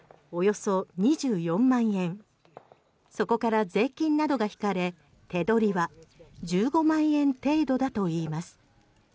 そこから税金などが引かれ手取りは１５万円程度だといいます。